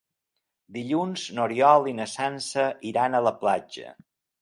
Dilluns n'Oriol i na Sança iran a la platja.